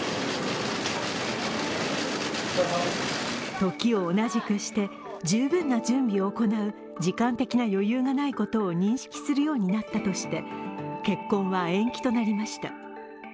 時を同じくして、十分な準備を行う時間的な余裕がないことを認識するようになったとして結婚は延期となりました。